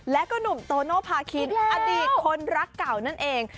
และก็หนุ่มโตโนภาคินอดีตคนรักเก่านั่นเอง